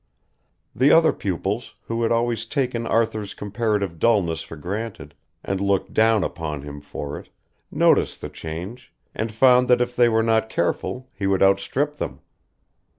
The other pupils, who had always taken Arthur's comparative dulness for granted, and looked down upon him for it, noticed the change, and found that if they were not careful he would outstrip them.